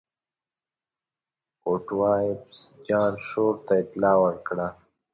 اوټوایفز جان شور ته اطلاع ورکړه.